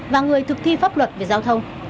và người thực thi pháp luật về giao thông